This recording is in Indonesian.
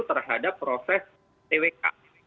terhadap proses twk